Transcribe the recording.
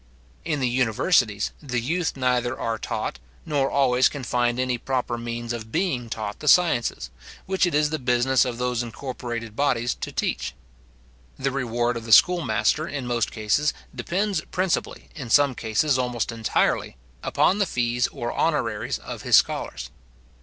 In the universities, the youth neither are taught, nor always can find any proper means of being taught the sciences, which it is the business of those incorporated bodies to teach. The reward of the schoolmaster, in most cases, depends principally, in some cases almost entirely, upon the fees or honoraries of his scholars.